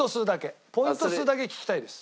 ポイント数だけ聞きたいです。